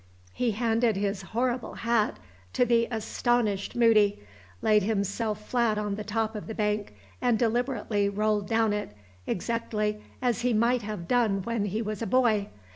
He handed his horrible hat to the astonished Moody, laid himself flat on the top of the bank, and deliberately rolled down it, exactly as he might have done when he was a boy.